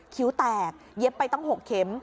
คิ้วแตกเย็บไปตั้ง๖เข็ม